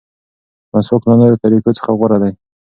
مسواک له نورو طریقو څخه غوره دی.